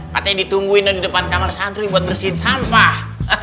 katanya ditungguin di depan kamar santri buat bersihin sampah